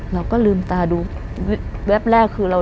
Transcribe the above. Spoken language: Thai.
เราก็ลืมตาดูแวบแรกคือเรา